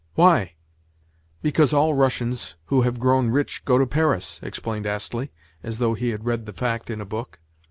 "Why?" "Because all Russians who have grown rich go to Paris," explained Astley, as though he had read the fact in a book.